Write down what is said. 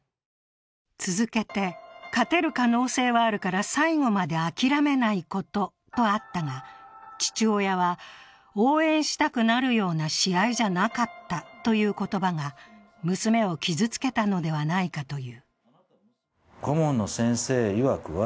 続けて、勝てる可能性はあるから最後まで諦めないこととあったが、父親は、応援したくなるような試合じゃなかったという言葉が娘を傷つけたのではないかという。